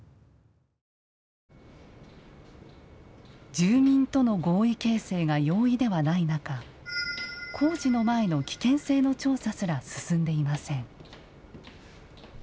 住民との合意形成が容易ではない中工事の前の「危険性の調査」すら進んでいません。